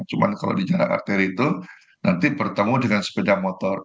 cuma kalau di jalan arteri itu nanti bertemu dengan sepeda motor